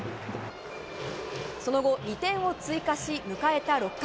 その後、２点を追加し迎えた６回。